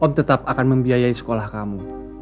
om tetap akan membiayai sekolah kamu